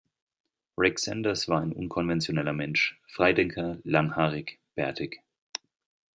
Rick Sanders war ein unkonventioneller Mensch, Freidenker, langhaarig, bärtig.